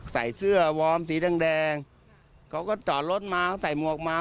ใส่เสื้อวอร์มสีแดงแดงเขาก็จอดรถมาเขาใส่หมวกมา